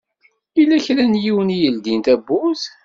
Yella kra n yiwen i yeldin tawwurt.